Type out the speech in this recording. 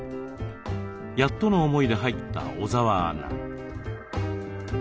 やっとの思いで入った小澤アナ。